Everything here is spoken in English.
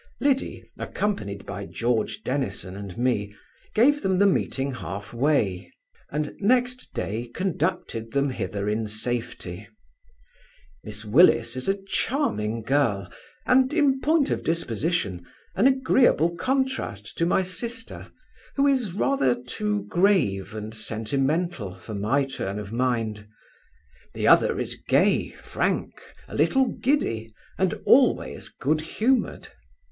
Liddy, accompanied by George Dennison and me, gave them the meeting halfway, and next day conducted them hither in safety. Miss Willis is a charming girl, and, in point of disposition, an agreeable contrast to my sister, who is rather too grave and sentimental for my turn of mind. The other is gay, frank, a little giddy, and always good humoured.